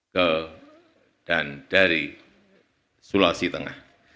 ke dan dari sulawesi tengah